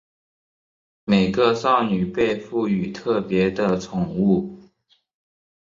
每个少女被赋与特别的宠物。